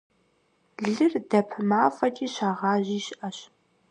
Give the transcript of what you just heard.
Лыр дэп мафӀэкӀи щагъажьи щыӀэщ.